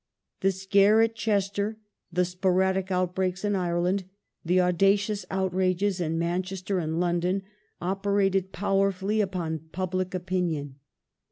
The scare at Chester, the sporadic outbreaks in Ireland, the audacious outrages in Manchester and London, operated powerfully upon public opinion.